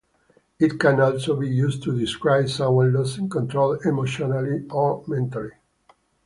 It can also be used to describe someone losing control emotionally or mentally.